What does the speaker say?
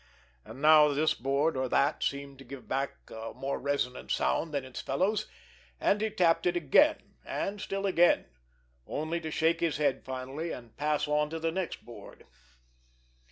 And now this board or that seemed to give back a more resonant sound than its fellows, and he tapped it again, and still again, only to shake his head finally, and pass on to the next board.